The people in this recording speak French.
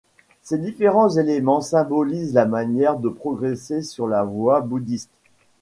Ces différents éléments symbolisent la manière de progresser sur la voie bouddhiste.